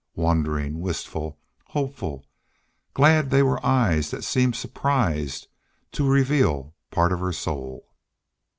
Wondering, wistful, hopeful, glad they were eyes that seemed surprised, to reveal part of her soul.